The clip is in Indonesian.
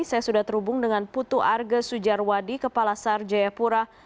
saya sudah terhubung dengan putu arga sujarwadi kepala sarjaya pura